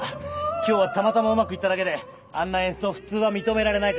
今日はたまたまうまくいっただけであんな演奏普通は認められないからな。